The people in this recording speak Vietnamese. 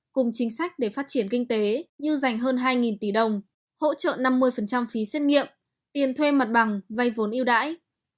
cùng chính sách để phát triển kinh tế như dành hơn hai tỷ đồng hỗ trợ năm mươi phí xét nghiệm tiền thuê mặt bằng vay vốn yêu đãi